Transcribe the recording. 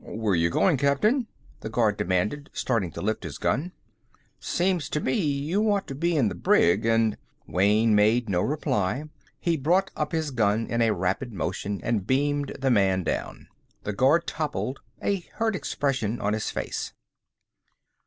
"Where you goin', Captain?" the guard demanded, starting to lift his gun. "Seems to me you ought to be in the brig, and " Wayne made no reply. He brought his gun up in a rapid motion and beamed the man down. The guard toppled, a hurt expression on his face.